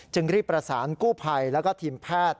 จึงรีบประสานกู้ภัยและทีมแพทย์